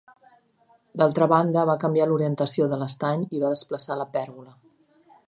D'altra banda, va canviar l'orientació de l'estany i va desplaçar la pèrgola.